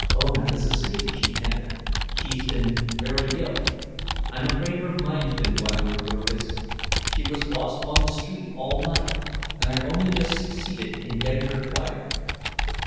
"Ona is asleep," she panted. "She's been very ill. I'm afraid her mind's been wandering, Jurgis. She was lost on the street all night, and I've only just succeeded in getting her quiet."